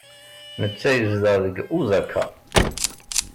Netta yezdeɣ deg Osaka.